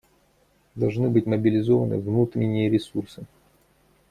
Должны быть мобилизованы внутренние ресурсы.